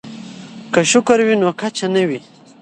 که شکر وي نو کچه نه وي.